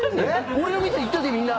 俺の店行ったでみんな！